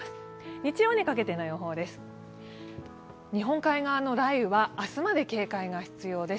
日曜にかけての予報です。